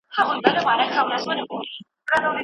د مایکرو فلم ریډر په مرسته واړه توري لولئ.